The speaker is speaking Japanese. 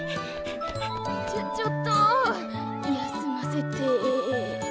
ちょちょっと休ませて。